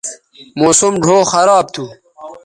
موسم ڙھؤ خراب تھو